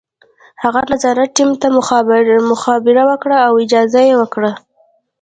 هغه د نظارت ټیم ته مخابره وکړه او اجازه یې ورکړه